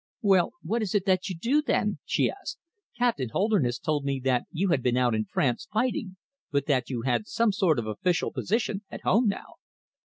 "Well, what is it that you do, then?" she asked. "Captain Holderness told me that you had been out in France, fighting, but that you had some sort of official position at home now."